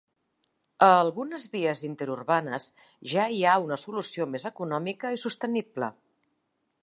A algunes vies interurbanes ja hi ha una solució més econòmica i sostenible.